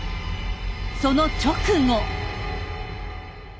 その直後。